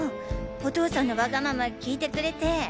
お父さんのわがまま聞いてくれて。